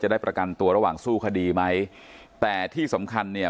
ได้ประกันตัวระหว่างสู้คดีไหมแต่ที่สำคัญเนี่ย